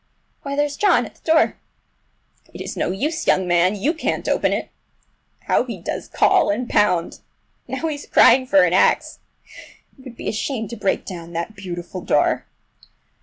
Why, there's John at the door! It is no use, young man, you can't open it! How he does call and pound! Now he's crying for an axe. It would be a shame to break down that beautiful door!